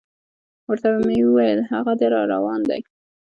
ورته مې وویل: هاغه دی را روان دی.